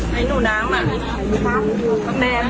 ให้หนูน้ำน่ะแม่ไม่ได้แกล้ง